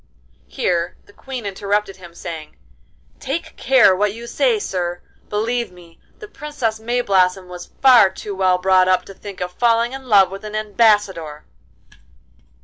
Here the Queen interrupted him, saying, 'Take care what you say, sir. Believe me, the Princess Mayblossom was far too well brought up to think of falling in love with an Ambassador.